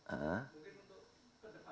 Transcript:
itu apakah pemakanan itu dilakukan atau tidak